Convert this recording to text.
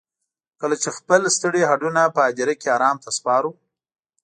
کله چې خپل ستړي هډونه په هديره کې ارام ته سپارو.